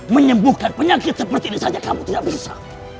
menyembuhkan penyakit seperti ini saja kamu tidak bisa